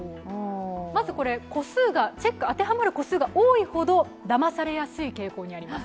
まずこれ、当てはまる個数が多いほどだまされやすい傾向にあります。